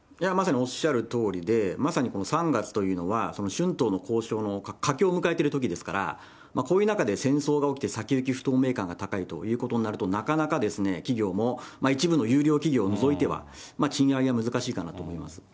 まさにおっしゃるとおりで、まさにこの３月というのは、春闘の交渉の佳境を迎えているときですから、こういう中で戦争が起きて、先行き不透明感が高いということになると、なかなか企業も、一部の優良企業を除いては、賃上げは難しいかなと思います。